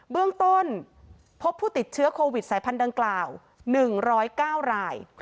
เบื้องต้นพบผู้ติดเชื้อโควิดสายพันธุ์ดังกล่าวหนึ่งร้อยเก้าราย